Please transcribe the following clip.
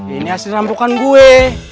ini asli rambukan gue